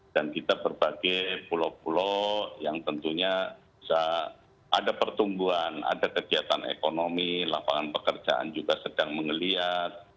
dan kita berbagi pulau pulau yang tentunya bisa ada pertumbuhan ada kegiatan ekonomi lapangan pekerjaan juga sedang mengeliat